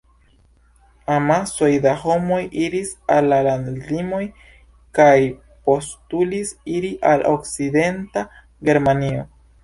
Amasoj da homoj iris al la landlimoj kaj postulis iri al okcidenta Germanio.